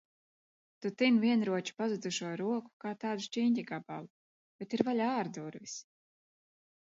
Tu tin Vienroča pazudušo roku kā tādu šķiņķa gabalu, bet ir vaļā ārdurvis!